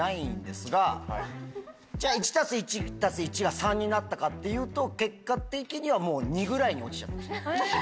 １足す１足す１が３になったかっていうと結果的には２ぐらいに落ちちゃうんです。